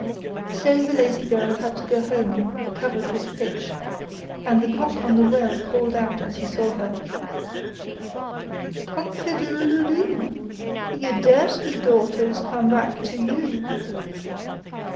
So the lazy girl had to go home covered with pitch, and the cock on the well called out as she saw her: 'Cock a doodle doo! Your dirty daughter's come back to you.